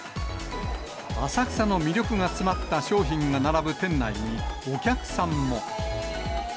浅草の魅力が詰まった商品が並ぶ店内にお客さんも。